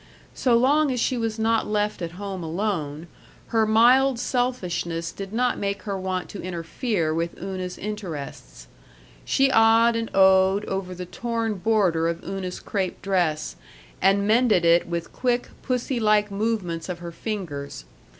So long as she was not left at home alone, her mild selfishness did not make her want to interfere with Una's interests. She ah'd and oh'd over the torn border of Una's crêpe dress, and mended it with quick, pussy like movements of her fingers.